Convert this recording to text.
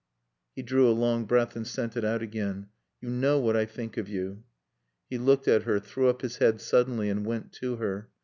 _" He drew a long breath and sent it out again. "You know what I think of you." He looked at her, threw up his head suddenly and went to her.